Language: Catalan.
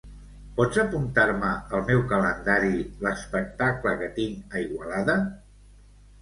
Pots apuntar-me al meu calendari l'espectacle que tinc a Igualada?